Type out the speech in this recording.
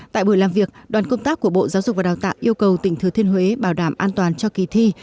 tại buổi làm việc đoàn công tác của bộ giáo dục và đào tạo yêu cầu tỉnh thừa thiên huế bảo đảm an toàn cho kỳ thi